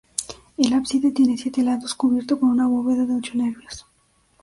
El ábside tiene siete lados cubierto con una bóveda de ocho nervios.